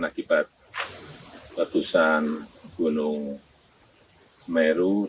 kepala bnpb ledjen suharyanto presiden jokowi dodo saat mengunjungi lokasi terdampak erupsi gunung semeru